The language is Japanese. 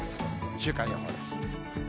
週間予報です。